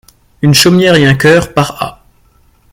Une chaumière et un coeur, par A.